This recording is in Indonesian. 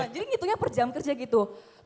jadi ngitungnya per jam kerja gitu